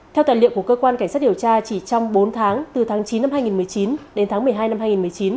theo tài liệu của cơ quan cảnh sát điều tra chỉ trong bốn tháng từ tháng chín năm hai nghìn một mươi chín đến tháng một mươi hai năm hai nghìn một mươi chín